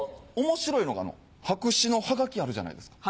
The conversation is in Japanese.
面白いのが白紙のハガキあるじゃないですか。